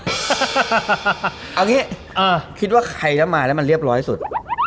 เอาอย่างนี้คิดว่าใครจะมาแล้วมันเรียบร้อยสุด